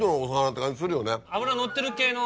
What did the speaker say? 脂のってる系の。